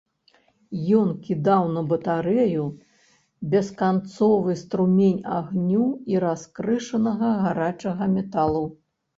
Ён кідаў на батарэю бесканцовы струмень агню і раскрышанага гарачага металу.